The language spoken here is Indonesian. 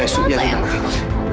aku sudah berusaha sayang